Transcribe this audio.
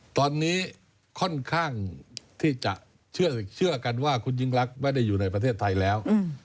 ตอนนี้ค่อนข้างที่จะเชื่อกันว่าคุณยิ่งรักไม่ได้อยู่ในประเทศไทยแล้ว